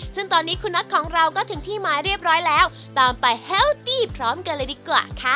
ซึ่งตอนนี้คุณน็อตของเราก็ถึงที่หมายเรียบร้อยแล้วตามไปแฮลตี้พร้อมกันเลยดีกว่าค่ะ